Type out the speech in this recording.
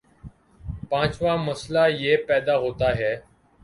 پانچواں مسئلہ یہ پیدا ہوتا ہے